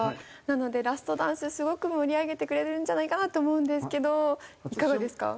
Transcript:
なのでラストダンスすごく盛り上げてくれるんじゃないかなと思うんですけどいかがですか？